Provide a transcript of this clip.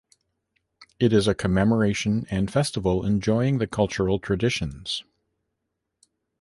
It is a commemoration and festival enjoying the cultural traditions.